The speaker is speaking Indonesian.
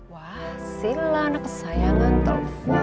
wah sila anak kesayangan toh